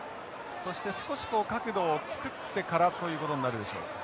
そして少し角度を作ってからということになるでしょうか。